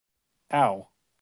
Ow!